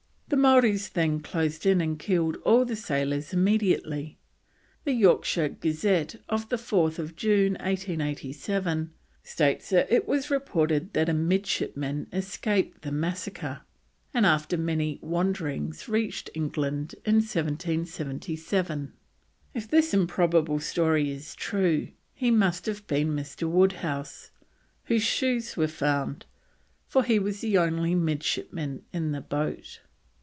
The Maoris then closed in and killed all the sailors immediately. The Yorkshire Gazette of 4th June 1887 states that it was reported that a midshipman escaped the massacre, and after many wanderings reached England in 1777. If this improbable story is true he must have been Mr. Woodhouse, whose shoes were found, for he was the only midshipman in the boat.